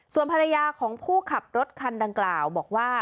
ส่วนภรรยาของผู้ขับรถคันดังกล่าวบอกว่า